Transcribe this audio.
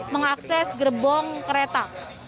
mengakses gerbong kereta